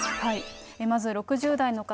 まず、６０代の方。